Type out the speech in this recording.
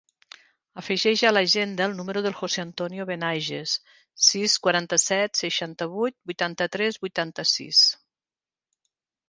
Afegeix a l'agenda el número del José antonio Benages: sis, quaranta-set, seixanta-vuit, vuitanta-tres, vuitanta-sis.